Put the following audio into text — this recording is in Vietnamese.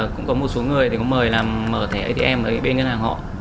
cũng có một số người có mời làm mở thẻ atm ở bên ngân hàng họ